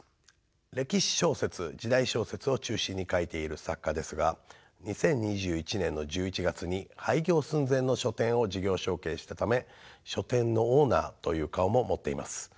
歴史小説時代小説を中心に書いている作家ですが２０２１年の１１月に廃業寸前の書店を事業承継したため書店のオーナーという顔も持っています。